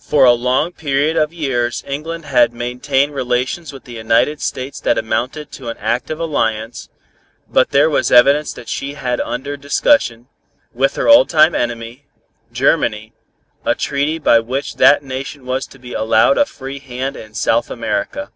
For a long period of years England had maintained relations with the United States that amounted to an active alliance, but there was evidence that she had under discussion, with her old time enemy, Germany, a treaty by which that nation was to be allowed a free hand in South America.